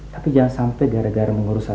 tapi jangan sampai gara gara mengurus satu